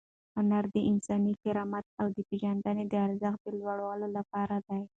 هنر د انساني کرامت او د ژوند د ارزښت د لوړولو لپاره دی.